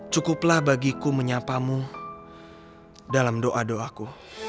cukuplah bagiku menyapamu dalam doa doaku